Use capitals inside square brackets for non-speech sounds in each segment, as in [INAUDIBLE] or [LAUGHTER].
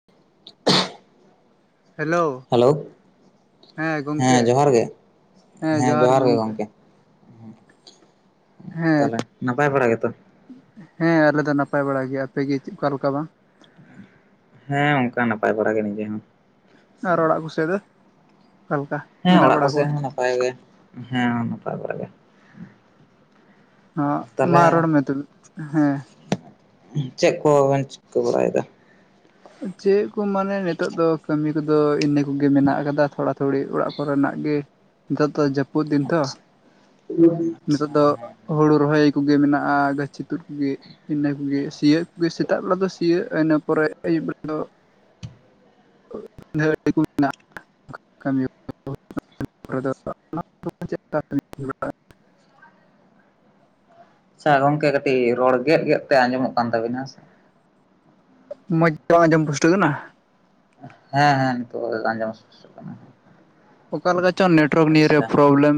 [INAUDIBLE] Hello. Hello ᱦᱮᱸ ᱡᱚᱦᱟᱨ ᱜᱮ, ᱦᱮᱸ ᱡᱚᱦᱟᱨ ᱜᱮ ᱜᱚᱜᱠᱮ᱾ ᱢᱩᱸ, ᱦᱮᱸ ᱛᱟᱦᱞᱮ ᱱᱟᱯᱟᱭ ᱵᱟᱲᱟ ᱜᱮᱛᱚ᱾ ᱦᱮᱸ ᱟᱞᱮ ᱫᱚ ᱱᱟᱯᱟᱭ ᱵᱟᱲᱟ ᱜᱮ᱾ ᱟᱯᱮᱜᱮ ᱪᱮᱫ ᱚᱠᱟᱞᱮᱠᱟ ᱵᱟᱝ? ᱦᱮᱸ ᱚᱱᱠᱟ ᱱᱟᱯᱟᱭ ᱵᱟᱲᱟ ᱜᱮ ᱱᱤᱡᱮ ᱦᱚᱸ᱾ ᱟᱨ ᱚᱲᱟᱜ ᱠᱚᱥᱮᱫ ᱫᱚ ᱚᱠᱟ ᱞᱮᱠᱟ? ᱦᱮᱸ ᱢᱮᱱᱟᱜ ᱚᱲᱟᱜ ᱠᱚ ᱵᱟᱲᱟ ᱠᱚᱣᱟ ᱥᱮᱫ ᱦᱚᱸ ᱱᱟᱯᱟᱭ ᱜᱮ, ᱦᱮᱸ ᱱᱟᱯᱟᱭ ᱵᱟᱲᱟ ᱜᱮ᱾ ᱦᱚᱸ, ᱛᱟᱦᱚᱞᱮ ᱢᱟ ᱨᱚᱲ ᱢᱮ ᱛᱚᱵᱮ ᱦᱮᱸ᱾ ᱪᱮᱫ ᱠᱚᱵᱮᱱ ᱪᱤᱠᱟᱹ ᱵᱟᱲᱟᱭᱫᱟ? ᱪᱮᱫ ᱠᱚ ᱢᱟᱱᱮ ᱱᱤᱛᱳᱜ ᱫᱚ ᱠᱟᱹᱢᱤ ᱠᱚᱫᱚ ᱤᱱᱟᱹ ᱠᱚᱜᱮ ᱢᱮᱱᱟᱜ ᱟᱠᱟᱫᱟ ᱛᱷᱚᱲᱟ ᱛᱷᱩᱲᱤ ᱚᱲᱟᱜ ᱠᱚᱨᱮᱱᱟᱜ ᱜᱮ᱾ ᱱᱤᱛᱚᱜ ᱫᱚ ᱡᱟᱹᱯ [UNINTELLIGIBLE] ᱫᱤᱱ ᱛᱚ ᱱᱤᱛᱚᱜ ᱫᱚ ᱦᱩᱲᱩ ᱨᱚᱦᱚᱭ ᱠᱚᱜᱮ ᱢᱮᱱᱟᱜ-ᱟ, ᱜᱟᱪᱷᱤ ᱛᱩᱫ ᱠᱚᱜᱮ ᱤᱱᱟᱹ ᱠᱚᱜᱮ ᱥᱤᱭᱳᱜ ᱥᱮᱛᱟᱜ ᱵᱮᱲᱟ ᱫᱚ ᱥᱤᱭᱳ ᱤᱱᱟᱹ ᱯᱚᱨᱮ ᱟᱹᱭᱩᱵ ᱵᱮᱲᱟ ᱫᱚ [UNINTELLIGIBLE] [UNINTELLIGIBLE] ᱟᱪᱪᱷᱟ ᱜᱚᱢᱠᱮ ᱠᱟᱹᱴᱤᱡ ᱨᱚᱲ ᱜᱮᱜ ᱜᱮᱜ ᱛᱮ ᱟᱸᱡᱚᱢᱚᱜ ᱠᱟᱱ ᱛᱟᱵᱤᱱᱟ ᱾ ᱢᱚᱡᱽ ᱛᱮ ᱵᱟᱝ ᱟᱸᱡᱚᱢ ᱯᱩᱥᱴᱟᱹ ᱠᱟᱱᱟ᱾ ᱦᱮᱸ ᱦᱮᱸ ᱱᱤᱛᱚ ᱟᱡᱚᱢ ᱯᱩᱥᱴᱟᱹᱣ ᱠᱟᱱᱟ [INAUDIBLE] ᱚᱠᱟ ᱞᱮᱠᱟ ᱪᱚᱝ ᱱᱮᱴᱣᱟᱨᱠ ᱱᱤᱭᱮ ᱨᱮ ᱟᱪᱪᱷᱟ ᱯᱨᱚᱵᱞᱮᱢ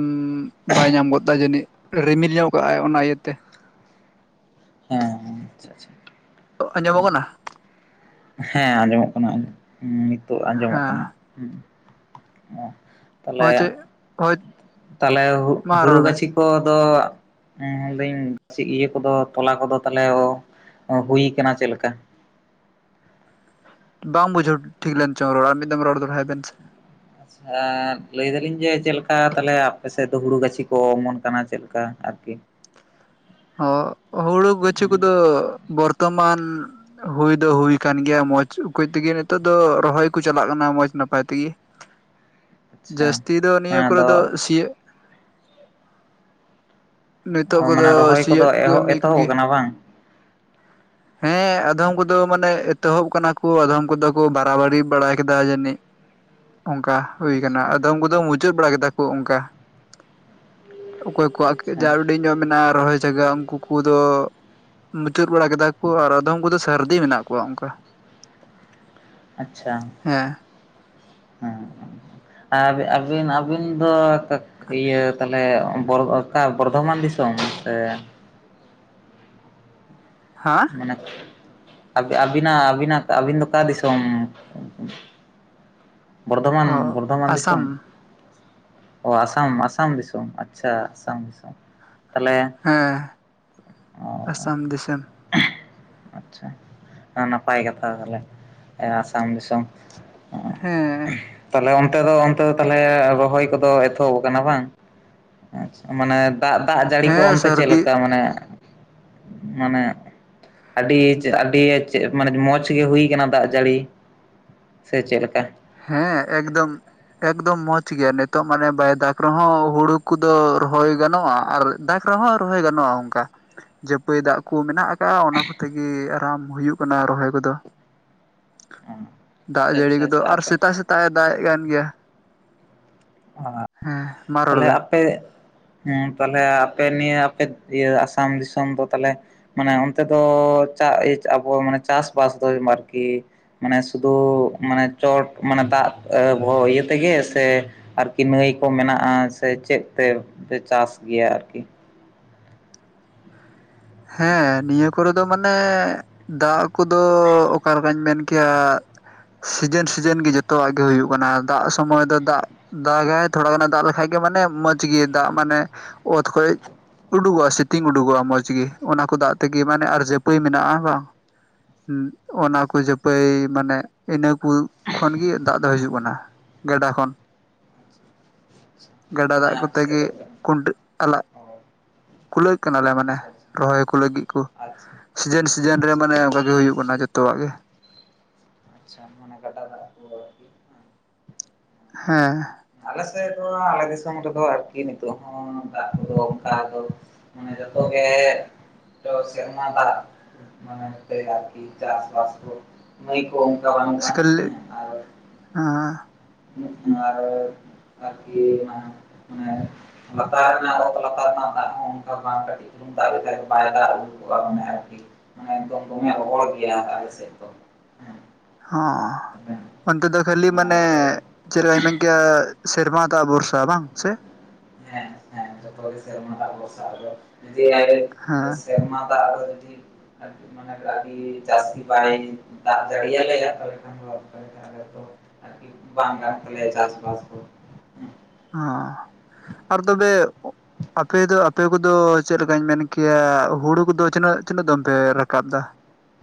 ᱵᱟᱭ ᱧᱟᱢ ᱜᱚᱫᱫᱟ ᱡᱟᱹᱱᱤᱡ ᱨᱤᱢᱤᱞ ᱧᱚᱜ ᱠᱟᱜ-ᱟᱭ ᱚᱱᱟ ᱤᱭᱟᱹᱛᱮ᱾ ᱦᱮᱸ ᱟᱪᱪᱷᱟ ᱟᱪᱪᱷᱟ᱾ ᱟᱸᱡᱚᱢᱚᱜ ᱠᱟᱱᱟ ᱦᱮᱸ ᱟᱸᱡᱚᱢᱚᱜ ᱠᱟᱱᱟ ᱱᱤᱛᱚᱜ ᱟᱸᱡᱚᱢᱚᱜ ᱠᱟᱱᱟ᱾ ᱦᱮᱸ [INAUDIBLE] ᱛᱟᱦᱚᱞᱮ ᱦᱳᱭ ᱪᱮ ᱦᱳᱭ ᱛᱟᱦᱚᱞᱮ ᱢᱟ ᱦᱩᱲᱩ ᱨᱚᱲ ᱢᱮ ᱜᱟᱹᱪᱷᱤ ᱠᱚᱫᱚ [UNINTELLIGIBLE] ᱤᱭᱟᱹ ᱠᱚᱫᱚ ᱛᱚᱞᱟ ᱠᱚᱫᱚ ᱛᱟᱦᱚᱞᱮ ᱦᱩᱭ ᱟᱠᱟᱱᱟ ᱪᱮᱫ ᱞᱮᱠᱟ? ᱵᱟᱝ ᱵᱩᱡᱷᱟᱹᱣ ᱴᱷᱤᱠ ᱞᱮᱱ ᱪᱚᱝ ᱨᱚᱲ ᱟᱨ ᱢᱤᱫ ᱫᱚᱢ ᱨᱚᱲ ᱫᱚᱦᱲᱟᱭ ᱵᱮᱱ ᱥᱮ᱾ ᱟᱪᱪᱷᱟ ᱞᱟᱹᱭ ᱫᱟᱞᱤᱧ ᱡᱮ ᱪᱮᱫ ᱞᱮᱠᱟ ᱛᱟᱦᱚᱞᱮ ᱟᱯᱮ ᱥᱮᱫ ᱫᱚ ᱦᱩᱲᱩ ᱜᱟᱹᱪᱷᱤ ᱠᱚ ᱚᱢᱚᱱ ᱠᱟᱱᱟ ᱪᱮᱫ ᱞᱮᱠᱟ ᱟᱨᱠᱤ? ᱦᱚ ᱦᱩᱲᱩ ᱜᱟᱹᱪᱷᱩ ᱠᱚᱫᱚ ᱵᱚᱨᱛᱚᱢᱟᱱ ᱦᱩᱭ ᱫᱚ ᱦᱩᱭ ᱠᱟᱱ ᱜᱮᱭᱟ ᱢᱚᱸᱡᱽ ᱩᱯᱟᱹᱭ ᱛᱮᱜᱮ ᱱᱤᱛᱚᱜ ᱫᱚ ᱨᱚᱦᱚᱭ ᱠᱚ ᱪᱟᱞᱟᱜ ᱠᱟᱱᱟ ᱢᱚᱸᱡᱽ ᱱᱟᱯᱟᱭ ᱛᱮᱜᱮ᱾ [UNINTELLIGIBLE] ᱟᱪᱪᱷᱟ ᱡᱟᱹᱥᱛᱤ ᱫᱚ ᱱᱤᱭᱟᱹ ᱠᱚᱨᱮ ᱫᱚ ᱟᱫᱚ ᱥᱤᱭᱜ ᱱᱤᱛᱚᱜ ᱠᱚᱫᱚ ᱢᱟᱱᱮ ᱨᱚᱦᱚᱭ ᱠᱚᱫᱚ ᱥᱤᱭᱳᱜ ᱮᱦᱚ ᱠᱟᱹᱢᱤ ᱮᱛᱚᱦᱚᱵ ᱠᱚᱜᱮ ᱟᱠᱟᱱᱟ ᱵᱟᱝ? ᱦᱮᱸ ᱟᱫᱚᱢ ᱠᱚᱫᱚ ᱢᱟᱱᱮ ᱮᱛᱚᱦᱚᱵ ᱠᱟᱱᱟ ᱠᱚ ᱟᱫᱚᱢ ᱠᱚᱫᱚ ᱠᱚ ᱵᱟᱨᱟᱵᱟᱨᱤ ᱵᱟᱲᱟ ᱠᱮᱫᱟ ᱡᱟᱹᱱᱤᱡ ᱾ ᱚᱱᱠᱟ ᱦᱩᱭ ᱠᱟᱱᱟ ᱟᱪᱪᱷᱟ ᱟᱫᱚ ᱩᱱᱠᱩ ᱫᱚ ᱢᱩᱪᱟᱹᱫ ᱵᱟᱲᱟ ᱠᱮᱫᱟ ᱠᱚ ᱚᱱᱠᱟ᱾ ᱚᱠᱚᱭ ᱠᱚᱣᱟᱜ ᱟᱪᱪᱷᱟ ᱡᱟᱣᱰᱤ ᱧᱚᱜ ᱢᱮᱱᱟᱜ-ᱟ ᱨᱚᱦᱚᱭ ᱡᱟᱭᱜᱟ ᱩᱱᱠᱩ ᱠᱚᱫᱚ ᱢᱩᱪᱟᱹᱫ ᱵᱟᱲᱟ ᱩᱱ ᱟᱫᱚᱢ ᱩᱱᱠᱩ ᱠᱚᱫᱚ ᱥᱟᱹᱨᱫᱤ ᱢᱮᱱᱟᱜ ᱠᱚᱣᱟ ᱚᱱᱠᱟ᱾ ᱟᱪᱪᱷᱟ ᱦᱮᱸ ᱟᱨ ᱟᱹᱵᱤᱱ ᱟᱹᱵᱤᱱ ᱫᱚ ᱤᱭᱟᱹ ᱛᱟᱦᱚᱞᱮ ᱚᱠᱟ ᱵᱚᱨᱫᱷᱚᱢᱟᱱ ᱫᱤᱥᱚᱢ ᱥᱮ ᱦᱮᱸ ᱾ ᱢᱟᱱᱮ ᱟᱹᱵᱤᱱᱟᱜ ᱟᱹᱵᱤᱱᱟᱜ ᱟᱹᱵᱤᱱ ᱫᱚ ᱚᱠᱟ ᱫᱤᱥᱚᱢ? ᱵᱚᱨᱫᱷᱚᱢᱟᱱ ᱚ ᱵᱚᱨᱫᱷᱚᱢᱟᱱ ᱫᱤᱥᱚᱢ ᱟᱥᱟᱢ ᱚ ᱟᱥᱟᱢ ᱟᱥᱟᱢ ᱫᱤᱥᱚᱢ ᱟᱪᱪᱷᱟ ᱟᱥᱟᱢ ᱫᱤᱥᱚᱢ, ᱛᱟᱦᱚᱞᱮ ᱦᱮᱸ ᱚ ᱟᱥᱟᱢ ᱫᱤᱥᱚᱢ᱾ [UNINTELLIGIBLE] ᱟᱪᱪᱷᱟ ᱱᱟᱯᱟᱭ ᱠᱟᱛᱷᱟ ᱛᱟᱦᱚᱞᱮ ᱟᱥᱟᱢ ᱫᱤᱥᱚᱢ᱾ ᱦᱮᱸ᱾ ᱛᱟᱦᱚᱞᱮ ᱚᱱᱛᱮ ᱫᱚ ᱚᱱᱛᱮ ᱫᱚ ᱛᱟᱦᱚᱞᱮ ᱨᱚᱦᱚᱭ ᱠᱚᱫᱚ ᱮᱛᱚᱦᱚᱵ ᱟᱠᱟᱱᱟ ᱵᱟᱝ? ᱟᱪᱪᱷᱟ ᱢᱟᱱᱮ ᱫᱟᱜ ᱫᱟᱜ ᱡᱟᱹᱲᱤ ᱠᱚ ᱦᱮᱸ ᱚᱱᱛᱮ ᱥᱟᱹᱨᱫᱤ ᱪᱮᱫᱠᱟ ᱢᱟᱱᱮ ᱢᱟᱱᱮ ᱟᱹᱰᱤ ᱟᱹᱰᱤ ᱢᱟᱱᱮ ᱢᱚᱸᱡᱽ ᱜᱮ ᱦᱩᱭ ᱟᱠᱟᱱᱟ ᱫᱟᱜ ᱡᱟᱹᱲᱤ ᱥᱮ ᱪᱮᱫ ᱞᱮᱠᱟ? ᱦᱮᱸ ᱮᱠᱫᱚᱢ ᱾ ᱮᱠᱫᱚᱢ ᱢᱚᱸᱡᱽ ᱜᱮᱭᱟ ᱱᱤᱛᱚᱜ ᱢᱟᱱᱮ ᱵᱟᱭ ᱫᱟᱜᱽ ᱨᱮᱦᱚᱸ ᱦᱩᱲᱩ ᱠᱚᱫᱚ ᱨᱚᱦᱚᱭ ᱜᱟᱱᱚᱜ-ᱟ, ᱟᱨ ᱫᱟᱠᱽ ᱨᱮᱦᱚᱸᱭ ᱨᱚᱦᱚᱭ ᱜᱟᱱᱚᱜ-ᱟ ᱚᱱᱠᱟ ᱡᱟᱹᱯᱟᱹᱭ ᱫᱟᱜ ᱠᱚ ᱢᱮᱱᱟᱜ ᱚᱱᱟ ᱠᱚᱛᱮ ᱜᱮ ᱟᱨᱟᱢ ᱦᱩᱭᱩᱜ ᱠᱟᱱᱟ ᱨᱚᱦᱚᱭ ᱠᱚᱫᱚ᱾ ᱫᱟᱜ ᱟᱪᱪᱷᱟ ᱡᱟᱹᱲᱤ ᱟᱪᱪᱷᱟ ᱠᱚᱫᱚ ᱟᱪᱪᱷᱟ ᱟᱨ ᱟᱯᱮ ᱥᱮᱛᱟᱜ ᱥᱮᱛᱟᱜᱮ ᱫᱟᱜᱮᱜ ᱠᱟᱱ ᱜᱮᱭᱟ ᱾ ᱛᱟᱦᱚᱞᱮ ᱟᱯᱮ ᱦᱮᱸ ᱛᱟᱦᱞᱮ ᱟᱯᱮ ᱱᱤᱭᱟᱹ ᱟᱯᱮ ᱤᱭᱟᱹ ᱟᱥᱟᱢ ᱫᱤᱥᱚᱢ ᱫᱚ ᱛᱟᱞᱦᱮ ᱢᱟᱱᱮ ᱚᱱᱛᱮ ᱫᱚ ᱪᱟ ᱤ ᱟᱵᱚ ᱢᱟᱱᱮ ᱪᱟᱥᱵᱟᱥ ᱫᱚ ᱟᱨᱠᱤ ᱢᱟᱱᱮ ᱥᱩᱫᱩ ᱢᱟᱱᱮ ᱪᱚᱴ ᱢᱟᱱᱮ ᱫᱟᱜ ᱵᱷᱚ ᱤᱭᱟᱹ ᱛᱮᱜᱮ ᱥᱮ ᱟᱨᱠᱤ ᱱᱟᱹᱭ ᱠᱚ ᱢᱮᱱᱟᱜ-ᱟ ᱥᱮ ᱪᱮᱫ ᱛᱮ ᱯᱮ ᱪᱟᱥ ᱜᱮᱭᱟ ᱟᱨᱠᱤ? ᱦᱮᱸ ᱱᱤᱭᱟᱹ ᱠᱚᱨᱮ ᱫᱚ ᱢᱟᱱᱮ ᱫᱟᱜ ᱠᱚᱫᱚ ᱚᱠᱟᱞᱮ ᱞᱮᱠᱟᱧ ᱢᱮᱱ ᱠᱮᱭᱟ ᱥᱤᱡᱮᱱ ᱥᱤᱡᱮᱱ ᱜᱮ ᱡᱚᱛᱚᱣᱟᱜ ᱜᱮ ᱦᱩᱭᱩᱜ ᱠᱟᱱᱟ ᱫᱟᱜ ᱥᱚᱢᱚᱭ ᱫᱚ ᱫᱟᱜ ᱫᱟᱜᱟᱭ ᱛᱷᱚᱲᱟ ᱜᱟᱱᱮ ᱫᱟᱜ ᱞᱮᱠᱷᱟᱡ ᱜᱮ ᱢᱟᱱᱮ ᱢᱚᱡᱽ ᱜᱮ ᱫᱟᱜ ᱢᱟᱱᱮ ᱚᱛ ᱠᱷᱚᱡ ᱩᱰᱩᱜᱚᱜ-ᱟ ᱥᱤᱛᱤᱝ ᱩᱰᱩᱜᱚᱜ-ᱟ ᱢᱚᱸᱡᱽ ᱜᱮ ᱚᱱᱟ ᱠᱚ ᱫᱟᱜ ᱛᱮᱜᱮ ᱢᱟᱱᱮ ᱟᱨ ᱡᱟᱹᱯᱟᱹᱭ ᱢᱮᱱᱟᱜ-ᱟ ᱵᱟᱝ, ᱦᱩᱸ ᱚᱱᱟᱠᱚ ᱡᱟᱹᱯᱟᱹᱭ ᱢᱟᱱᱮ ᱤᱱᱟᱹᱠᱩ ᱠᱷᱚᱱᱜᱤ ᱫᱟᱜ ᱫᱚ ᱦᱤᱡᱩᱜ ᱠᱟᱱᱟ᱾ ᱜᱟᱰᱟ ᱠᱷᱚᱱ [INAUDIBLE] ᱜᱟᱰᱟ ᱢᱟᱱᱮ ᱫᱟᱜ ᱟᱯᱮ ᱠᱚᱛᱮ ᱥᱮᱫ ᱜᱮ ᱫᱚ ᱚ ᱟᱪᱪᱷᱟ ᱠᱷᱰᱟᱹ ᱟᱞᱟᱜ ᱠᱩᱞᱟᱹᱜ ᱠᱟᱱᱟᱞᱮ ᱢᱟᱱᱮ, ᱨᱚᱦᱚᱭᱠᱩ ᱞᱟᱹᱜᱤᱜ ᱠᱩ ᱟᱪᱪᱷᱟ ᱥᱤᱡᱮᱱ ᱥᱤᱡᱮᱱ ᱨᱮ ᱟᱪᱪᱷᱟ ᱢᱟᱱᱮ ᱟᱪᱪᱷᱟ ᱚᱝᱠᱟᱜ ᱜᱮ ᱦᱩᱭᱩᱜ ᱠᱟᱱᱟ ᱡᱚᱛᱚᱣᱟᱜ ᱜᱮ᱾ ᱟᱪᱪᱷᱟ ᱢᱟᱱᱮ ᱜᱟᱰᱟ ᱫᱟᱜ ᱠᱚ ᱟᱨᱠᱤ ᱦᱮᱸ ᱟᱞᱮ ᱥᱮᱫ ᱫᱚ ᱟᱞᱮ ᱫᱤᱥᱚᱢ ᱨᱮᱫᱚ ᱟᱨᱠᱤ ᱱᱤᱛᱳᱜ ᱦᱚᱸ ᱫᱟᱜ ᱠᱚᱫᱚ ᱚᱱᱠᱟ ᱫᱚ ᱢᱟᱱᱮ ᱡᱚᱛᱚᱜᱮ ᱛᱚ ᱥᱮᱨᱢᱟ ᱫᱟᱜ, ᱢᱟᱱᱮ ᱟᱨᱠᱤ ᱪᱟᱥᱵᱟᱥ ᱠᱚ ᱱᱟᱹᱭ ᱠᱚ ᱚᱝᱠᱟ ᱵᱟᱹᱱᱩᱜ-ᱟ ᱦᱮᱸ ᱟᱨ ᱦᱟᱸ ᱟᱨ ᱟᱨᱠᱤ ᱚᱱᱟ ᱢᱟᱱᱮ ᱞᱟᱛᱟᱨ ᱨᱮᱱᱟᱜ ᱚᱛ ᱞᱟᱛᱟᱨ ᱨᱮᱱᱟᱜ ᱫᱟᱜ ᱦᱚᱸ ᱚᱝᱠᱟ ᱵᱟᱝ ᱠᱟᱹᱴᱤᱜ ᱞᱩᱝ ᱫᱟᱜ ᱞᱮᱠᱟᱡ ᱵᱟᱭ ᱫᱟᱜ ᱟᱹᱜᱩ ᱠᱚᱜ-ᱟ ᱢᱟᱱᱮ ᱟᱨᱠᱤ ᱢᱟᱱᱮ ᱮᱠᱫᱚᱢ ᱫᱚᱢᱮ ᱨᱚᱦᱚᱲ ᱜᱮᱭᱟ ᱟᱞᱮ ᱥᱮᱫ ᱫᱚ᱾ ᱦᱮᱸ ᱦᱚᱸ ᱚᱱᱛᱮ ᱫᱚ ᱠᱷᱟᱹᱞᱤ ᱢᱟᱱᱮ ᱟᱨ ᱛᱟᱦᱞᱮ ᱪᱮᱫ ᱞᱮᱠᱟᱧ ᱢᱮᱱ ᱠᱮᱭᱟ ᱥᱮᱨᱢᱟ ᱫᱟᱜ ᱵᱷᱚᱨᱥᱟ ᱵᱟᱝ ᱥᱮ ᱦᱮᱸᱦᱮᱸ ᱡᱚᱛᱚ ᱜᱮ ᱥᱮᱨᱢᱟ ᱫᱟᱜ ᱵᱷᱚᱨᱥᱟ ᱟᱫᱚ ᱡᱮ ᱟᱰᱤ ᱦᱮᱸ ᱥᱮᱨᱢᱟ ᱫᱟᱜ ᱟᱰᱤ ᱢᱟᱱᱮ ᱪᱟᱹᱥᱤ ᱵᱟᱭ ᱫᱟᱜ ᱡᱟᱹᱲᱤᱭᱟᱞᱮᱭᱟ ᱛᱟᱦᱞᱮ ᱠᱷᱟᱱ ᱫᱚ ᱟᱨᱠᱤ ᱵᱟᱝ ᱜᱟᱱᱚᱜ ᱛᱟᱞᱮᱭᱟ ᱪᱟᱥ ᱵᱟᱥ ᱠᱚ᱾ ᱦᱚᱸ ᱟᱨ ᱛᱚᱵᱮ ᱟᱯᱮ ᱫᱚ ᱟᱯᱮ ᱠᱚᱫᱚ ᱪᱮᱫ ᱞᱮᱠᱟᱧ ᱢᱮᱱ ᱠᱮᱭᱟ ᱦᱩᱲᱩ ᱠᱚᱫᱚ ᱛᱤᱱᱟᱹᱜ ᱛᱤᱱᱟᱹᱜ ᱫᱚᱢ ᱯᱮ ᱨᱟᱠᱟᱵ ᱫᱟ? [INAUDIBLE]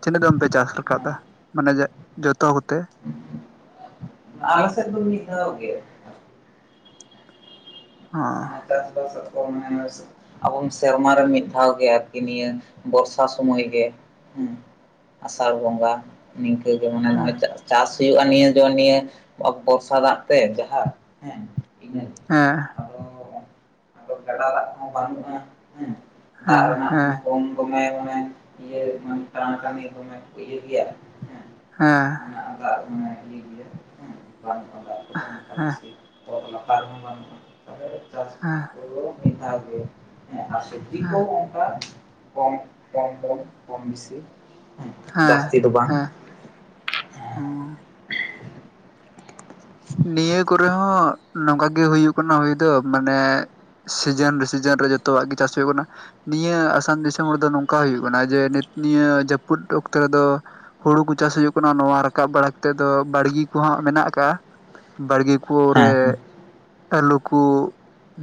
ᱛᱤᱱᱟᱹᱜ ᱫᱚᱢ ᱯᱮ ᱪᱟᱥ ᱨᱟᱠᱟᱵᱫᱟ ᱢᱟᱱᱮ ᱡᱚᱛᱚ ᱠᱚᱛᱮ ᱟᱞᱮ ᱥᱮᱫ ᱫᱚ ᱢᱤᱫ ᱫᱷᱟᱣ ᱜᱮ᱾ ᱦᱚ [UNINTELLIGIBLE] ᱟᱵᱚᱢ ᱥᱮᱨᱢᱟᱨᱮ ᱢᱤᱫ ᱫᱷᱟᱣ ᱜᱮ ᱟᱨᱠᱤ ᱱᱤᱭᱟᱹ ᱵᱚᱨᱥᱟ ᱥᱳᱢᱚᱭ ᱜᱮ ᱦᱩᱸ ᱟᱥᱟᱲ ᱵᱚᱸᱜᱟ ᱱᱤᱝᱠᱟᱹ ᱜᱮ ᱢᱟᱱᱮ ᱦᱮᱸ ᱱᱚᱜ-ᱚᱭ ᱪᱟᱥ ᱪᱟᱥ ᱦᱩᱭᱩᱜ-ᱟ ᱱᱤᱭᱟᱹ ᱡᱚᱱ ᱱᱤᱭᱟᱹ ᱵᱚᱨᱥᱟ ᱫᱟᱜ ᱛᱮ ᱡᱟᱦᱟᱸ ᱦᱮᱸ, ᱤᱱᱟᱹ ᱦᱮᱸ ᱟᱫᱚ ᱟᱫᱚ ᱜᱟᱰᱟ ᱫᱟᱜ ᱠᱚᱦᱚᱸ ᱵᱟᱹᱱᱩᱜ-ᱟ ᱦᱮᱸ ᱫᱟᱜ ᱦᱮᱸ ᱨᱮᱱᱟᱜ ᱦᱮᱸ ᱦᱚᱸ ᱠᱚᱢ ᱫᱚᱢᱮ ᱢᱟᱱᱮ ᱤᱭᱟᱹᱨᱟᱱ ᱠᱟᱹᱢᱤ ᱠᱚᱢᱮ ᱤᱭᱟᱹ ᱜᱮᱭᱟ ᱦᱮᱸ ᱦᱮᱸ ᱱᱟᱜ ᱫᱟᱜ ᱤᱭᱟᱹ ᱜᱮᱭᱟ ᱦᱚ ᱵᱟᱝ ᱫᱟᱜ ᱠᱚᱫᱚ ᱚᱱᱠᱟ ᱦᱮᱸ ᱵᱤᱥᱤ ᱚᱛ ᱞᱟᱛᱟᱨ ᱦᱚ ᱵᱟᱱᱩᱜ-ᱟ ᱛᱚᱵᱮ ᱫᱚ ᱪᱟᱥ ᱦᱮᱸ ᱦᱮᱸ [UNINTELLIGIBLE] ᱠᱚᱢ, ᱠᱚᱢ ᱠᱚᱢ, ᱠᱚᱢ ᱵᱤᱥᱤ᱾ ᱦᱮᱸ ᱦᱮᱸ, ᱦᱩᱸ᱾ ᱱᱤᱭᱟᱹ ᱠᱚᱨᱮ ᱦᱚᱸ ᱱᱚᱝᱠᱟ ᱜᱮ ᱦᱩᱭᱩᱜ ᱠᱟᱱᱟ ᱦᱩᱭ ᱫᱚ ᱢᱟᱱᱮ ᱥᱤᱡᱮᱱ ᱨᱮ ᱥᱤᱡᱮᱱ ᱨᱮ ᱡᱚᱛᱚᱣᱟᱜ ᱜᱮ ᱪᱟᱥ ᱦᱩᱭᱩᱜ ᱠᱟᱱᱟᱺ ᱱᱤᱭᱟᱹ ᱟᱥᱟᱢ ᱫᱤᱥᱚᱢ ᱨᱮᱫᱚ ᱱᱚᱝᱠᱟ ᱦᱩᱭᱩᱜ ᱠᱟᱱᱟ ᱡᱮ ᱱᱤᱛ ᱱᱤᱭᱟᱹ ᱡᱟᱹᱯᱩᱫ ᱚᱠᱛᱮ ᱫᱚ ᱦᱩᱲᱩ ᱠᱚ ᱪᱟᱥ ᱦᱩᱭᱩᱜ ᱠᱟᱱᱟ, ᱱᱚᱣᱟ ᱨᱟᱠᱟᱵ ᱵᱟᱲᱟ ᱠᱟᱛᱮᱫ ᱫᱚ ᱵᱟᱲᱜᱮ ᱠᱚᱦᱚᱸ ᱢᱮᱱᱟᱜ ᱟᱠᱟᱜ-ᱟ᱾ ᱵᱟᱲᱜᱮ ᱦᱮᱸ ᱠᱚᱨᱮ ᱟᱹᱞᱩ ᱠᱩ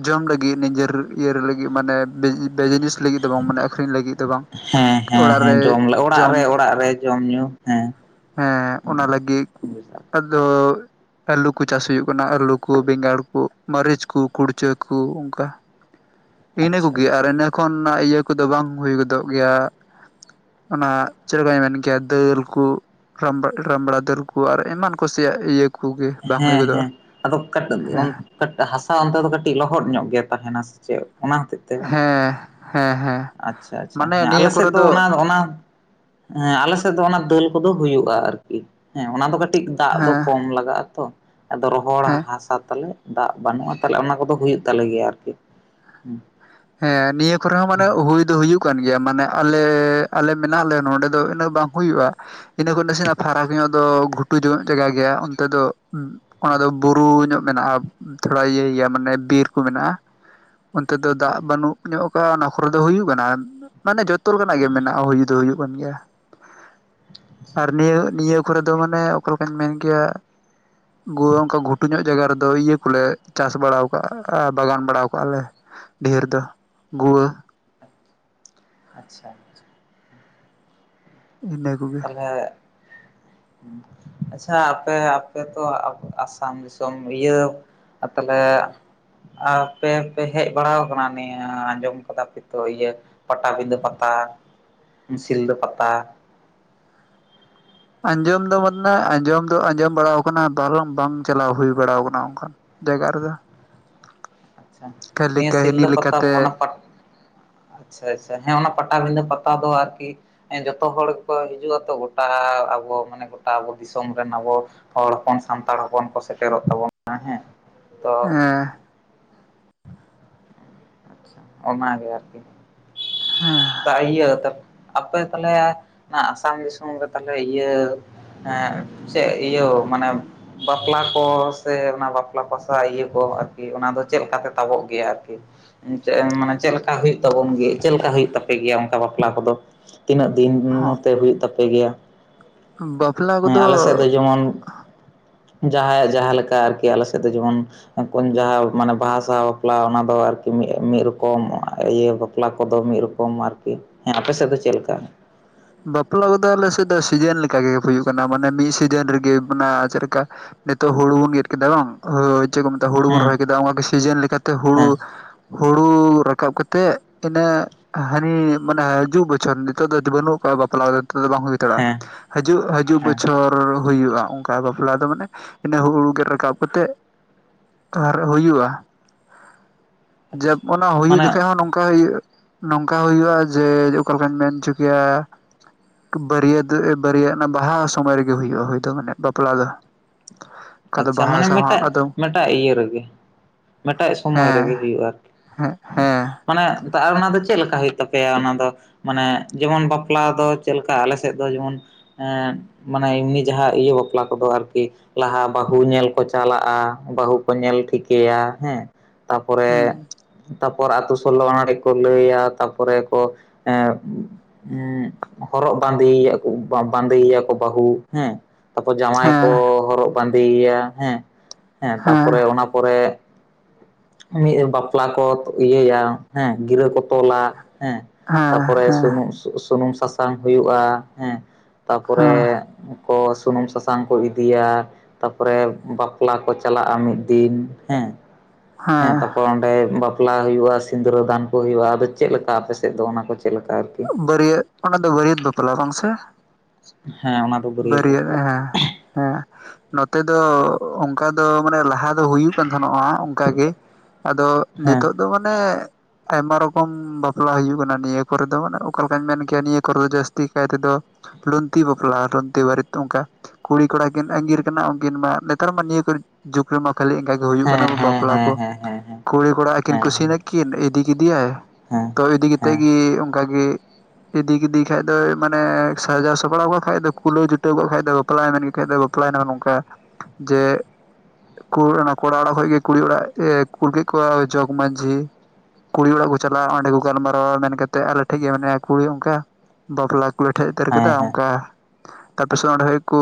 ᱡᱚᱢ ᱞᱟᱹᱜᱤᱫ ᱱᱤᱡᱮᱨ ᱤᱭᱟᱹᱟᱹᱨ ᱞᱟᱹᱜᱤᱫ ᱢᱟᱱᱮ ᱵᱤ ᱵᱤᱡᱽᱱᱮᱥ ᱞᱟᱹᱜᱤᱫ ᱫᱚ ᱵᱟᱝ ᱢᱟᱱᱮ ᱟᱠᱷᱨᱤᱧ ᱞᱟᱹᱜᱤᱫ᱾ ᱫᱚ ᱵᱟᱝ ᱦᱮᱸ ᱦᱮᱸ ᱚᱲᱟᱜ ᱨᱮ ᱦᱮᱸ ᱡᱚᱢ, ᱚᱲᱟᱜ ᱡᱚᱢ ᱨᱮ ᱚᱲᱟᱜ ᱨᱮ ᱡᱚᱢ ᱧᱩ ᱦᱮᱸ᱾ ᱦᱮᱸ ᱚᱱᱟ ᱞᱟᱹᱜᱤᱫ ᱟᱫᱚ ᱟᱹᱞᱩ ᱠᱚ ᱪᱟᱥ ᱦᱩᱭᱩᱜ ᱠᱟᱱᱟ, ᱟᱹᱞᱩ ᱠᱚ ᱵᱮᱸᱜᱟᱲ ᱠᱚ ᱢᱟᱹᱨᱤᱪ ᱠᱚ ᱠᱩᱲᱪᱟᱹ ᱠᱚ ᱚᱝᱠᱟ᱾ [INAUDIBLE] ᱤᱱᱟᱹ ᱠᱚᱜᱮ ᱟᱪᱪᱷᱟ ᱟᱨ ᱤᱱᱟᱹ ᱠᱷᱚᱱ ᱤᱭᱟᱹ ᱠᱚᱫᱚ ᱵᱟᱝ ᱦᱩᱭ ᱜᱚᱫᱚᱜ ᱜᱮᱭᱟ᱾ ᱚᱱᱟ ᱪᱮᱫ ᱞᱮᱠᱟᱧ ᱢᱮᱱ ᱠᱮᱭᱟ ᱫᱟᱹᱞ ᱠᱩ᱾ ᱨᱟᱢ ᱨᱟᱢᱲᱟ ᱫᱟᱹᱞ ᱠᱚ ᱟᱨ ᱮᱢᱟᱱ ᱠᱚᱥᱤᱭᱟᱜ ᱤᱭᱟᱹ ᱠᱚᱜᱮ ᱵᱟᱝ ᱦᱩᱭ ᱦᱮᱸ ᱜᱚᱫᱚᱜᱼᱟ ᱦᱮᱸ ᱟᱫᱚ ᱚᱠᱟᱴᱟᱜ ᱦᱮᱸ ᱮᱢ ᱠᱟᱴ ᱦᱟᱥᱟ ᱚᱱᱛᱮ ᱫᱚ ᱠᱟᱹᱴᱤᱡ ᱞᱚᱦᱚᱫ ᱧᱚᱜ ᱜᱮ ᱛᱟᱦᱮᱱᱟ ᱥᱮ ᱪᱮᱫ? ᱚᱱᱟ ᱦᱚᱛᱮᱡ ᱛᱮ ᱵᱟᱝ ᱦᱮᱸ, ᱦᱮᱸ ᱦᱮᱸ᱾ ᱟᱪᱪᱷᱟ ᱟᱪᱪᱷᱟ, ᱢᱟᱱᱮ ᱦᱮᱸ ᱱᱤᱭᱟᱹ ᱟᱞᱮ ᱥᱮᱫ ᱠᱚᱨᱮ ᱫᱚ ᱚᱱᱟ ᱚᱱᱟ ᱦᱮᱸ ᱟᱞᱮ ᱥᱮᱫ ᱫᱚ ᱚᱱᱟ ᱫᱟᱹᱞ ᱠᱚᱫᱚ ᱦᱩᱭᱩᱜ-ᱟ ᱟᱨᱠᱤ᱾ ᱦᱮᱸ ᱚᱱᱟ ᱫᱚ ᱠᱟᱴ ᱠᱟᱹᱴᱤᱡ ᱫᱟᱜ ᱫᱚ ᱦᱮᱸ ᱠᱚᱢ ᱞᱟᱜᱟᱜ-ᱟ ᱛᱚ ᱟᱫᱚ ᱨᱚᱦᱚᱲ ᱦᱮᱸ ᱦᱟᱥᱟ ᱛᱟᱞᱮ᱾ ᱫᱟᱜ ᱵᱟᱹᱱᱩᱜ-ᱟ, ᱛᱟᱞᱮ ᱚᱱᱟ ᱠᱚᱫᱚ ᱦᱩᱭᱩᱜ ᱛᱟᱞᱮ ᱜᱮᱭᱟ ᱟᱨᱠᱤ᱾ ᱦᱩᱸ ᱦᱮᱸ ᱱᱤᱭᱟᱹ ᱠᱚᱨᱮ ᱦᱚᱸ ᱢᱟᱱᱮ ᱦᱩᱸ ᱦᱩᱭ ᱫᱚ ᱦᱩᱭᱩᱜ ᱠᱟᱱ ᱜᱮᱭᱟ ᱢᱟᱱᱮ᱾ ᱟᱞᱮ, ᱟᱞᱮ ᱢᱮᱱᱟᱜ ᱞᱮ ᱱᱚᱸᱰᱮ ᱫᱚ ᱤᱱᱟᱹᱜ ᱵᱟᱝ ᱦᱩᱭᱩᱜ-ᱟ᱾ ᱤᱱᱟᱹ ᱠᱷᱚᱱ ᱱᱟᱥᱮᱱᱟᱜ ᱯᱷᱟᱨᱟᱠ ᱧᱚᱜ ᱫᱚ ᱜᱷᱩᱴᱩ ᱧᱚᱜ ᱡᱟᱭᱜᱟ ᱜᱮᱭᱟ, ᱚᱱᱛᱮ ᱫᱚ ᱦᱩᱸ, ᱚᱱᱟ ᱫᱚ ᱵᱩᱨᱩ ᱧᱚᱜ ᱢᱮᱱᱟᱜ-ᱟ᱾ ᱛᱷᱚᱲᱟ ᱤᱭᱟᱹ ᱜᱮᱭᱟ ᱢᱟᱱᱮ ᱵᱤᱨᱠᱩ ᱢᱮᱱᱟᱜ-ᱟ ᱚᱱᱛᱮ ᱫᱚ᱾ ᱫᱟᱜ ᱦᱩᱸ ᱵᱟᱹᱱᱩᱜ ᱧᱚᱜ ᱟᱠᱟ ᱚᱱᱟ ᱠᱚᱨᱮ ᱫᱚ ᱦᱩᱭᱩᱜ ᱠᱟᱱᱟ᱾ ᱢᱟᱱᱮ ᱡᱚᱛᱚ ᱨᱮᱠᱟᱱᱟᱜ ᱜᱮ ᱢᱮᱱᱟᱜ-ᱟ ᱦᱩᱭ ᱫᱚ ᱦᱩᱭᱩᱜ ᱠᱟᱱ ᱜᱮᱭᱟ᱾ [INAUDIBLE] ᱟᱨ ᱱᱤᱭᱟᱹ ᱱᱤᱭᱟᱹ ᱠᱚᱨᱮ ᱫᱚ ᱢᱟᱱᱮ ᱚᱠᱟ ᱞᱮᱠᱟᱧ ᱢᱮᱱ ᱜᱮᱭᱟ? ᱜᱳᱭ ᱜᱚᱝᱠᱮ ᱜᱷᱩᱴᱩ ᱧᱚᱜ ᱡᱟᱭᱜᱟ ᱨᱮᱫᱚ ᱤᱭᱟᱹ ᱠᱚᱞᱮ ᱪᱟᱥ ᱵᱟᱲ ᱟᱠᱟᱜ-ᱟ ᱵᱟᱜᱟᱱ ᱵᱟᱲᱟᱣ ᱠᱟᱜ-ᱟ ᱞᱮ᱾ ᱰᱷᱮᱨ ᱫᱚ ᱜᱩᱣᱟᱹ᱾ ᱟᱪᱪᱷᱟ ᱟᱪᱪᱷᱟ᱾ ᱤᱱᱟᱹ᱾ ᱠᱚᱜᱮ ᱛᱟᱞᱦᱮ ᱟᱪᱪᱷᱟ ᱟᱯᱮ, ᱟᱯᱮᱛᱚ ᱟᱥᱟᱢ ᱫᱤᱥᱚᱢ ᱤᱭᱟᱹ ᱟᱨ ᱛᱟᱞᱦᱮ ᱟ ᱟᱯᱮ ᱮᱱᱛᱮ ᱦᱮᱡ ᱵᱟᱲᱟᱣ ᱠᱟᱱᱟ ᱱᱤᱭᱟᱹ, ᱟᱸᱡᱚᱢ ᱠᱟᱫᱟ ᱯᱮ ᱛᱚ ᱤᱭᱟᱹ? ᱯᱟᱴᱟᱵᱤᱸᱫᱟᱹ ᱯᱟᱛᱟ, ᱥᱤᱞᱫᱟᱹ ᱯᱟᱛᱟ? ᱟᱸᱡᱚᱢ ᱫᱚ ᱢᱟᱱᱱᱟ, ᱟᱸᱡᱚᱢ ᱫᱚ ᱟᱸᱡᱚᱢ ᱵᱟᱲᱟᱣ ᱠᱟᱱᱟ ᱵᱚᱨᱚᱢ ᱵᱟᱝ ᱪᱟᱞᱟᱣ ᱦᱩᱭ ᱵᱟᱲᱟᱣ ᱠᱟᱱᱟ ᱚᱝᱠᱟ᱾ ᱫᱮᱣᱜᱟᱜ ᱨᱮᱫᱚ ᱟᱪᱪᱷᱟ, ᱠᱷᱟᱹᱞᱤ ᱱᱤᱭᱟᱹ ᱠᱟᱹᱦᱱᱤ ᱥᱤᱞᱞᱟᱹ ᱯᱟᱛᱟ ᱞᱮᱠᱟᱛᱮ ᱯᱚᱱᱚᱛ ᱯᱟᱛ ᱟᱪᱪᱷᱟ ᱟᱪᱪᱷᱟ, ᱦᱮᱸ ᱚᱱᱟ ᱯᱟᱴᱟᱵᱤᱸᱫᱷᱟᱹ ᱯᱟᱛᱟ ᱫᱚ ᱟᱨᱠᱤ ᱮᱸ ᱡᱚᱛᱚ ᱦᱚᱲ ᱜᱮᱠᱚ ᱦᱤᱡᱩᱜᱼᱟᱛᱚ ᱜᱚᱴᱟ ᱟᱵᱚ ᱢᱟᱱᱮ ᱜᱚᱴᱟ ᱟᱵᱚ ᱫᱤᱥᱚᱢ ᱨᱮᱱ ᱟᱵᱚ᱾ ᱦᱚᱲ ᱦᱚᱯᱚᱱ ᱥᱟᱱᱛᱟᱲ ᱦᱚᱯᱚᱱ ᱠᱚ ᱥᱮᱴᱮᱨᱚᱜ ᱛᱟᱵᱚᱱᱟ ᱦᱮᱸ᱾ ᱛᱚ ᱮ ᱚᱱᱟᱜᱮ ᱟᱨᱠᱤ᱾ ᱦᱮᱸ᱾ ᱫᱟ ᱤᱭᱟᱹ ᱛᱟᱯᱮ ᱟᱯᱮ ᱛᱟᱦᱚᱞᱮ ᱚᱱᱟ ᱟᱥᱟᱢ ᱫᱤᱥᱚᱢ ᱨᱮ ᱛᱟᱦᱟᱞᱮ ᱤᱭᱟᱹ᱾ ᱦᱮᱸ ᱪᱮᱫ ᱤᱭᱟᱹ ᱢᱟᱱᱮ᱾ ᱵᱟᱯᱞᱟ ᱠᱚ ᱥᱮ ᱚᱱᱟ ᱵᱟᱯᱞᱟ ᱯᱟᱥᱟ ᱤᱭᱟᱹ ᱠᱚ ᱟᱨᱠᱤ ᱚᱱᱟ ᱫᱚ ᱪᱮᱫ ᱞᱮᱠᱟᱛᱮ ᱛᱟᱵᱚᱜ ᱜᱮᱭᱟ ᱟᱨᱠᱤ᱾ ᱪᱮᱫ ᱮᱢ ᱢᱟᱱᱮ ᱪᱮᱫ ᱞᱮᱠᱟ ᱦᱩᱭᱩᱜ ᱛᱟᱵᱚᱱ ᱜᱮ ᱪᱮᱫᱞᱮᱠᱟ ᱦᱩᱭᱩᱜ ᱛᱟᱵᱱᱟ᱾ ᱦᱩᱭᱩᱜ ᱜᱮᱭᱟ ᱚᱱᱠᱟ ᱵᱟᱯᱞᱟ ᱠᱚᱫᱚ ᱛᱤᱱᱟᱹᱜ ᱫᱤᱱ ᱦᱮᱸ ᱱᱚᱛᱮ ᱦᱩᱭᱩᱜ ᱛᱟᱯᱮ ᱜᱮᱭᱟ᱾ ᱵᱟᱯᱞᱟ᱾ ᱦᱮᱸ ᱠᱚᱫᱚ ᱟᱞᱮ ᱥᱮᱫ ᱫᱚ ᱡᱮᱢᱚᱱ ᱡᱟᱦᱟᱸᱭᱟᱜ ᱡᱟᱦᱟᱸ ᱞᱮᱠᱟ ᱟᱨᱠᱤ ᱟᱞᱮ ᱥᱮᱫ ᱫᱚ ᱡᱮᱢᱚᱱ᱾ ᱟᱯᱚᱱ ᱡᱟᱦᱟᱸ ᱢᱟᱱᱮ ᱵᱟᱦᱟ ᱥᱟᱣ ᱵᱟᱯᱞᱟ ᱚᱱᱟ ᱫᱚ ᱟᱨᱠᱤ ᱢᱤ ᱢᱤᱫ ᱨᱚᱠᱚᱢ ᱤᱭᱟᱹ ᱵᱟᱯᱞᱟ ᱠᱚᱫᱚ ᱢᱤᱫ᱾ ᱠᱚᱢ ᱟᱨᱠᱤ ᱦᱮᱸ ᱟᱯᱮᱥᱮᱫ ᱫᱚ ᱪᱮᱫ ᱞᱮᱠᱟ? ᱵᱟᱯᱞᱟ ᱠᱚᱫᱚ ᱟᱞᱮᱥᱮᱫ ᱫᱚ ᱥᱤᱡᱤᱱ ᱞᱮᱠᱟ ᱦᱩᱭᱩᱜ ᱠᱟᱱᱟ ᱢᱟᱱᱮ ᱢᱤᱫ ᱥᱤᱡᱤᱱ ᱨᱮᱜᱮ ᱚᱱᱟ ᱪᱮᱫ ᱞᱮᱠᱟ᱾ ᱱᱤᱛᱚᱜ ᱦᱩᱲᱩ ᱵᱚᱱ ᱤᱨ ᱠᱮᱫᱟ ᱵᱟᱝ ᱪᱮᱫ ᱠᱚ ᱢᱮᱛᱟᱜᱼᱟ ᱦᱩᱲᱩ ᱵᱚᱱ ᱦᱮᱸ ᱨᱚᱦᱚᱭ ᱠᱮᱫᱟ ᱚᱱᱠᱟ ᱥᱤᱡᱤᱱ ᱞᱮᱠᱟᱛᱮ ᱦᱮᱸ ᱦᱩᱲᱩ᱾ ᱦᱩᱲᱩ ᱨᱟᱠᱟᱵ ᱠᱟᱛᱮᱜ ᱛᱤᱱᱟᱹ ᱦᱟᱱᱤ ᱢᱟᱱᱮ ᱦᱤᱡᱩᱜ ᱵᱚᱪᱷᱚᱨ ᱱᱤᱛᱚᱜ ᱫᱚ ᱵᱟᱹᱱᱩᱜ᱾ ᱵᱟᱯᱞᱟ ᱱ ᱫᱚ ᱵᱟᱝ ᱦᱩᱭ ᱫᱟᱲᱭᱟᱜᱼᱟ᱾ ᱦᱮᱸ ᱦᱮᱡᱩᱜ ᱦᱤᱡᱩᱜ ᱦᱮᱸ ᱵᱚᱪᱷᱚᱨ ᱦᱩᱭᱩᱜᱼᱟ ᱚᱱᱠᱟ ᱵᱟᱯᱞᱟ ᱫᱚ ᱢᱟᱱᱮ᱾ ᱦᱟᱱᱮ ᱦᱩᱲᱩ ᱜᱮᱫ ᱨᱟᱠᱟᱵ ᱠᱟᱛᱮᱜ ᱟᱨ ᱦᱩᱭᱩᱜᱼᱟ᱾ ᱡᱟᱜ ᱟᱪᱪᱷᱟ ᱚᱱᱟ ᱦᱩᱭᱩᱜ ᱢᱟᱱᱮ ᱡᱚᱠᱷᱚᱡ ᱦᱚᱸ ᱱᱚᱝ᱾ ᱱᱚᱝᱠᱟ ᱦᱩᱭᱩᱜ ᱱᱚᱝᱠᱟ ᱦᱩᱭᱩᱜᱭᱼᱟ ᱡᱮ ᱚᱠᱟ ᱞᱮᱠᱟᱧ ᱢᱮᱱ ᱦᱚᱪᱚ ᱠᱮᱭᱟ᱾ ᱵᱟᱹᱨᱭᱟᱹᱛ ᱵᱟᱹᱨᱭᱟᱹᱛ ᱵᱟᱦᱟ ᱥᱚᱢᱚᱭ ᱨᱮᱜᱮ ᱦᱩᱭᱩᱜᱼᱟ ᱦᱳᱭ ᱫᱚ ᱢᱟᱱᱮ ᱵᱟᱯᱞᱟ ᱫᱚ᱾ ᱚᱠᱟ ᱫᱚ ᱟᱪᱪᱷᱟ ᱵᱟᱦᱟ ᱢᱟᱱᱮ ᱥᱟᱶ ᱦᱚᱸ ᱢᱤᱫᱴᱟᱜ ᱟᱫᱚᱢ ᱢᱤᱫᱴᱟᱜ ᱤᱭᱟᱹ ᱨᱮᱜᱮ᱾ ᱢᱤᱫᱴᱟᱜ ᱥᱚᱢᱚᱭ ᱨᱮᱜᱮ ᱦᱮᱸ ᱦᱩᱭᱩᱜᱼᱟ ᱟᱨᱠᱤ᱾ ᱦᱮᱸ ᱦᱮᱸ ᱢᱟᱱᱮ ᱛᱟ ᱟᱨ ᱚᱱᱟ ᱫᱚ ᱪᱮᱫ ᱞᱮᱠᱟ ᱦᱩᱭᱩᱜ ᱛᱟᱯᱮᱭᱟ ᱚᱱᱟ ᱫᱚ᱾ ᱢᱟᱱᱮ ᱡᱮᱢᱚᱱ ᱵᱟᱯᱞᱟ ᱫᱚ ᱪᱮᱫ ᱞᱮᱠᱟ ᱟᱞᱮ ᱥᱮᱫ ᱫᱚ ᱡᱮᱢᱚᱱ᱾ ᱮᱸ ᱢᱟᱱᱮ ᱮᱢᱱᱤ ᱡᱟᱦᱟᱸ ᱤᱭᱟᱹ ᱵᱟᱯᱞᱟ ᱠᱚᱫᱚ ᱟᱨᱠᱤ ᱞᱟᱦᱟ᱾ ᱵᱟᱹᱦᱩ ᱧᱮᱞ ᱠᱚ ᱪᱟᱞᱟᱜᱼᱟ ᱵᱟᱹᱦᱩ ᱠᱚ ᱧᱮᱞ ᱴᱷᱤᱠᱟᱹᱭᱟ ᱦᱮᱸ ᱛᱟᱯᱚᱨᱮ᱾ ᱦᱮᱸ ᱛᱟᱨᱯᱚᱨ ᱟᱛᱩ ᱥᱳᱞᱳ ᱟᱱᱟᱨᱤ ᱠᱚ ᱞᱟᱹᱭᱟ ᱛᱟᱨᱯᱚᱨᱮ ᱠᱚ ᱮᱸ᱾ ᱦᱸ ᱦᱚᱨᱚᱜ ᱵᱟᱸᱫᱮᱭᱭᱟ ᱵᱟᱸᱫᱮᱭᱮᱭᱟᱠᱚ ᱵᱟᱹᱦᱩ ᱦᱮᱸ᱾ ᱛᱟᱨᱯᱚᱨ ᱡᱟᱢᱶᱟᱭ ᱠᱚ ᱦᱮᱸ ᱦᱚᱨᱚᱜ ᱵᱟᱸᱫᱮᱭᱟ ᱦᱮᱸ ᱦᱮᱸ ᱛᱟᱨᱯᱚᱨᱮ ᱚᱱᱟ ᱯᱚᱨᱮ᱾ ᱢᱤᱫ ᱵᱟᱯᱞᱟ ᱠᱚ ᱤᱭᱟᱹᱭᱟ ᱦᱮᱸ ᱜᱤᱨᱟᱹ ᱠᱚ᱾ ᱛᱚᱞᱟ ᱦᱮᱸ ᱦᱮᱸ ᱛᱟᱨᱯᱚᱨᱮ ᱦᱮᱸ ᱥᱩᱱᱩᱢ ᱥᱩᱱᱩᱢ ᱥᱟᱥᱟᱝ ᱦᱩᱭᱩᱜᱼᱟ ᱦᱮᱸ᱾ ᱦᱮᱸ ᱛᱟᱯᱚᱨᱮ ᱠᱚ ᱥᱩᱱᱩᱢ ᱥᱟᱥᱟᱝ ᱠᱚ ᱤᱫᱤᱭᱟ᱾ ᱛᱟᱯᱚᱨᱮ ᱵᱟᱯᱞᱟ ᱠᱚ ᱪᱟᱞᱟᱜᱼᱟ ᱢᱤᱫ ᱫᱤᱱ ᱦᱮᱸ᱾ ᱦᱮᱸ ᱛᱟᱨᱯᱚᱨ ᱚᱸᱰᱮ ᱵᱟᱯᱼᱼ ᱵᱟᱯᱞᱟ ᱦᱩᱭᱩᱜᱼᱟ ᱥᱤᱝᱫᱽᱨᱟᱹ ᱫᱟᱱ ᱠᱚ ᱦᱩᱭᱩᱜᱼᱟ᱾ ᱟᱫᱚ ᱪᱮᱫ ᱞᱮᱠᱟ ᱟᱯᱮ ᱥᱮᱫ ᱫᱚ ᱚᱱᱟ ᱠᱚ ᱪᱮᱫ ᱞᱮᱠᱟ ᱟᱨᱠᱤ? ᱵᱟᱹᱨᱭᱟᱹᱛ ᱚᱱᱟ ᱫᱚ ᱵᱟᱹᱨᱭᱟᱹᱛ ᱵᱟᱯᱞᱟ ᱵᱟᱝ ᱥᱮ? ᱦᱮᱸ ᱚᱱᱟ ᱫᱚ ᱵᱟᱹᱨᱭᱟᱹ ᱵᱟᱹᱨᱭᱟᱹᱛ ᱵᱟᱯᱞᱟ᱾ ᱦᱮᱸ ᱦᱮᱸ ᱱᱚᱛᱮ ᱫᱚ ᱚᱱᱠᱟ ᱫᱚ ᱢᱟᱱᱮ ᱞᱟᱦᱟ ᱫᱚ ᱦᱩᱭᱩᱜ᱾ ᱠᱟᱱ ᱛᱟᱦᱮᱱᱜ-ᱟ ᱚᱝᱠᱟ ᱜᱮ ᱟᱫᱚ ᱦᱮᱸ ᱱᱤᱛᱚᱜ᱾ ᱟᱫᱚ ᱢᱟᱱᱮ ᱟᱭᱢᱟ ᱨᱚᱠᱚᱢ ᱵᱟᱯᱞᱟ ᱦᱩᱭᱩᱜ ᱠᱟᱱᱟ ᱱᱤᱭᱟᱹ ᱠᱚᱨᱮ ᱫᱚ᱾ ᱟᱫᱚ ᱢᱟᱱᱮ ᱚᱠᱟ ᱞᱮᱠᱟᱧ ᱢᱮᱱ ᱠᱮᱭᱟ ᱱᱤᱭᱟᱹ ᱠᱚᱨᱮ ᱫᱚ ᱡᱟᱹᱥᱛᱤ ᱠᱟᱭ ᱛᱮᱫᱚ ᱞᱩᱱᱛᱤ ᱵᱟᱯᱞᱟ ᱞᱩᱱᱛᱤ ᱵᱟᱨᱤᱛ ᱚᱱᱠᱟ᱾ ᱠᱩᱲᱤ ᱠᱚᱲᱟ ᱠᱤᱱ ᱟᱸᱜᱤᱨ ᱠᱟᱱᱟ ᱩᱱᱠᱤᱱ ᱢᱟ ᱱᱮᱛᱟᱨ ᱢᱟ ᱱᱤᱭᱟᱹ ᱠᱚᱨᱮᱫ᱾ ᱡᱩᱜᱽ ᱨᱮᱢᱟ ᱠᱷᱟᱹᱞᱤ ᱮᱱᱠᱟ ᱜᱮ ᱦᱩᱭᱩᱜ ᱠᱟᱱᱟ ᱦᱮᱸ ᱦᱮᱸ ᱵᱟᱯᱞᱟ ᱦᱮᱸ ᱠᱚ ᱦᱮᱸ ᱦᱮᱸ ᱦᱮᱸ ᱦᱮᱸ ᱦᱮᱸ ᱦᱮᱸ ᱦᱮᱸ ᱦᱮᱸ ᱦᱮᱸ ᱠᱩᱲᱤ ᱠᱚᱲᱟ ᱟᱹᱠᱤᱱ ᱠᱩᱥᱤᱭ ᱱᱟᱠᱤᱱ ᱠᱤᱱ ᱤᱫᱤ ᱠᱮᱫᱮᱭᱟᱭ ᱛᱚ ᱤᱫᱤ ᱠᱟᱛᱮᱫ ᱜᱮ ᱚᱱᱠᱟ ᱜᱮ ᱤᱫᱤ ᱠᱮᱫᱮ ᱠᱷᱟᱡ ᱫᱚᱭ ᱢᱟᱱᱮ ᱥᱟᱡᱟᱣ ᱥᱟᱯᱲᱟᱣ ᱠᱟᱜ ᱠᱷᱟᱡ ᱫᱚ ᱠᱩᱞᱟᱹᱣ ᱡᱩᱴᱟᱹᱣ ᱠᱟᱜ ᱠᱷᱟᱡ ᱫᱚ, ᱵᱟᱯᱞᱟᱭ ᱢᱮᱱ ᱠᱮᱫ ᱠᱷᱟᱡ ᱫᱚ ᱵᱟᱯᱞᱟᱭᱱᱟ ᱱᱚᱝᱠᱟ ᱡᱮ ᱯᱩᱨᱟᱹ ᱚᱱᱟ ᱠᱚᱲᱟ ᱚᱲᱟᱜ ᱠᱷᱚᱡ ᱜᱮ ᱠᱩᱲᱤ ᱚᱲᱟᱜ-ᱮ ᱠᱩᱞ ᱠᱮᱫ ᱠᱚᱣᱟ ᱡᱚᱜᱽ ᱢᱟᱺᱡᱷᱤ, ᱠᱩᱲᱤ ᱚᱲᱟᱜ ᱠᱚ ᱪᱟᱞᱟᱜᱼᱟ ᱚᱸᱰᱮ ᱠᱚ ᱜᱟᱞᱢᱟᱨᱟᱣᱟ ᱢᱮᱱ ᱠᱟ ᱛᱮᱜ ᱟᱞᱮ ᱴᱷᱮᱡ ᱜᱮ ᱢᱮᱱᱟᱭᱟ ᱠᱩᱲᱤ ᱚᱱᱠᱟ ᱵᱟᱯᱞᱟ ᱠᱩᱞᱮ ᱴᱷᱮᱡ ᱩᱛᱟᱹᱨ ᱠᱟᱫᱟ ᱚᱱᱠᱟ ᱛᱟᱨᱯᱟᱨᱮ ᱥᱮ ᱚᱸᱰᱮ ᱦᱟᱵᱤᱡ ᱠᱩ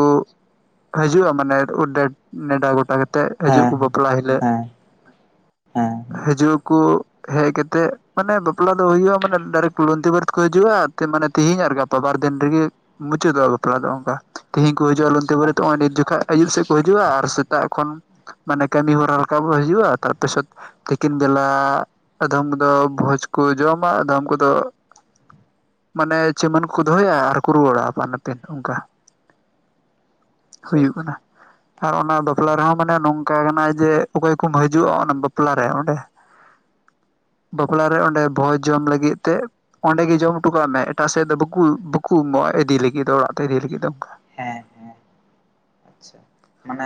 ᱦᱤᱡᱩᱜᱼᱟ ᱢᱟᱱᱮ ᱚᱸᱰᱮ ᱱᱮᱰᱟ ᱜᱚᱴᱟ ᱠᱟ ᱛᱮᱜ ᱦᱤᱡᱩᱜ ᱦᱮᱸ ᱟᱠᱚ ᱵᱟᱯᱞᱟ ᱦᱮᱸ ᱦᱤᱞᱳᱜ᱾ ᱦᱮᱸ ᱦᱮᱸ ᱦᱤᱡᱩᱜ ᱟᱠᱚ ᱦᱮᱡ ᱠᱟᱛᱮᱜ ᱢᱟᱱᱮ ᱵᱟᱯᱞᱟ ᱫᱚ ᱦᱩᱭᱩᱜᱼᱟ ᱢᱟᱱᱮ ᱰᱟᱭᱨᱮᱴ ᱞᱩᱱᱛᱤ ᱵᱟᱨᱮᱛ ᱠᱚ ᱦᱤᱡᱩᱜᱼᱟ ᱮᱱᱛᱮ ᱢᱟᱱᱮ ᱛᱤᱦᱤᱧ ᱟᱨ ᱜᱟᱯᱟ ᱵᱟᱨ ᱫᱤᱱ ᱨᱮᱜᱮ ᱢᱩᱪᱟᱹᱫᱚᱜᱼᱟ ᱵᱟᱯᱞᱟ ᱫᱚ ᱚᱱᱠᱟ᱾ ᱛᱤᱦᱤᱧ ᱠᱚ ᱦᱤᱡᱩᱜᱼᱟ ᱞᱩᱱᱛᱤ ᱟᱪᱪᱷᱟ ᱟᱪᱪᱷᱟ ᱵᱟᱨᱮᱛ ᱱᱚᱜ-ᱚᱭ ᱱᱤᱛ ᱟᱪᱪᱷᱟ ᱡᱚᱠᱷᱟᱡ ᱟᱭᱩᱵ ᱥᱮᱫ ᱠᱚ ᱦᱤᱡᱩᱜᱼᱟ ᱟᱨ ᱥᱮᱛᱟᱜ ᱠᱷᱚᱱ ᱢᱟᱱᱮ ᱠᱟᱹᱢᱤ ᱦᱚᱨᱟ ᱨᱟᱠᱟᱵᱚ ᱦᱤᱡᱩᱜᱼᱟ ᱛᱟᱨ ᱫᱚᱥᱟᱨ ᱛᱤᱠᱤᱱ ᱵᱮᱞᱟ ᱟᱫᱷᱚᱢ ᱠᱚ ᱫᱚ ᱵᱷᱚᱡᱽ ᱠᱚ ᱡᱚᱢᱟ ᱟᱫᱷᱚᱢ ᱠᱚᱫᱚ ᱢᱟᱱᱮ ᱪᱮᱢᱮᱱ ᱠᱚᱠᱚ ᱫᱚᱦᱚᱭᱟ ᱟᱨ ᱠᱚ ᱨᱩᱣᱟᱹᱲᱟ ᱟᱯᱟᱱ ᱟᱯᱤᱱ ᱚᱱᱠᱟ᱾ ᱦᱩᱭᱩᱜ ᱟᱪᱪᱷᱟ ᱠᱟᱱᱟ ᱟᱨ ᱚᱱᱟ ᱵᱟᱯᱞᱟ ᱨᱮᱦᱚᱸ, ᱢᱟᱱᱮ ᱱᱚᱝᱠᱟ ᱠᱟᱱᱟᱭ ᱡᱮ ᱚᱠᱚᱭ ᱠᱚᱢ ᱦᱤᱡᱩᱜᱼᱟ ᱚᱱᱟ ᱵᱟᱯᱞᱟ ᱨᱮ ᱚᱸᱰᱮ ᱵᱟᱯᱞᱟ ᱨᱮ ᱚᱸᱰᱮ ᱵᱷᱚᱡᱽ ᱡᱚᱢ ᱞᱟᱹᱜᱤᱫ ᱮᱱᱛᱮᱫ ᱚᱸᱰᱮ ᱜᱮ ᱡᱚᱢ ᱦᱚᱴᱚ ᱠᱟᱜ ᱢᱮ ᱛᱮ ᱚᱸᱱᱰᱮᱜᱮ ᱡᱚᱢ ᱦᱚᱴᱚᱠᱟᱜ ᱢᱮ ᱮᱴᱟᱜ ᱥᱮᱫ ᱫᱚ ᱵᱟᱠᱩ ᱵᱟᱠᱩ ᱮᱢᱚᱜᱼᱟ ᱤᱫᱤ ᱞᱟᱹᱜᱤᱫ ᱫᱚ ᱚᱲᱟᱜ ᱛᱮ ᱤᱫᱤ ᱞᱟᱹᱜᱤᱫ ᱫᱚ ᱚᱱᱠᱟ᱾ ᱦᱮᱸ ᱦᱮᱸ ᱟᱪᱪᱷᱟ ᱢᱟᱱᱮ